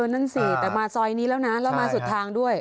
นั่นสิแต่มาซอยนี้แล้วนะแล้วมาสุดทางด้วย